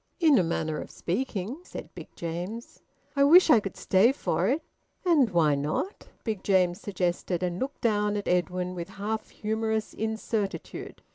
"In a manner of speaking," said Big James. "I wish I could stay for it." "And why not?" Big James suggested, and looked down at Edwin with half humorous incertitude.